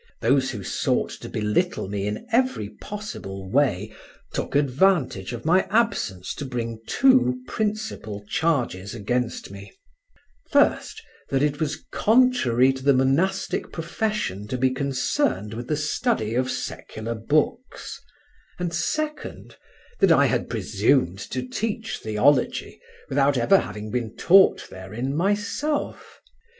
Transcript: Those who sought to belittle me in every possible way took advantage of my absence to bring two principal charges against me: first, that it was contrary to the monastic profession to be concerned with the study of secular books; and, second, that I had presumed to teach theology without ever having been taught therein myself.